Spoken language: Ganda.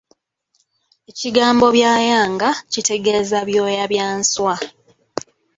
Ekigambo byayanga kitegeeza Byoya bya nswa.